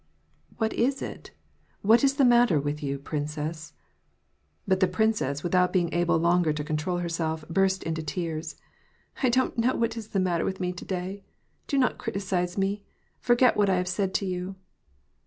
"What is it ? What is the matter with you, princess ?" But the princess, without being able longer to control her self, burst into tears :" I don't know what is the matter with me to^ay. Do not criticise me ; forget what I have said to you